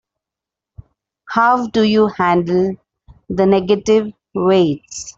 How do you handle the negative weights?